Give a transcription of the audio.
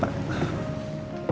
iya pak silahkan duduk